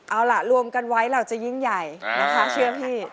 เอาล่ะรวมกันไว้เราจะยิ่งใหญ่นะคะเชื่อพี่